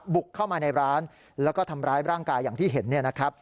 บุกเข้ามาในร้านแล้วก็ทำร้ายร่างกายอย่างที่เห็นเนี่ยนะครับ